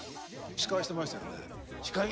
司会してましたよ。